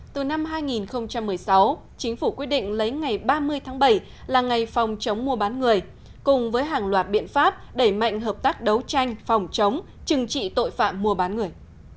từ năm hai nghìn một mươi sáu chính phủ quyết định lấy ngày ba mươi tháng bảy là ngày phòng chống mua bán người cùng với hàng loạt biện pháp đẩy mạnh hợp tác đấu tranh phòng chống chừng trị tội phạm mua bán người